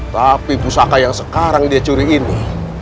tapi pusaka yang sekarang dia curi ini